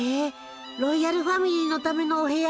ロイヤルファミリーのためのお部屋？